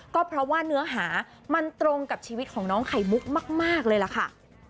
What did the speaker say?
ก็เพราะว่าเนื้อหามันตรงกับชีวิตของน้องไข่มุกมากเลยล่ะค่ะ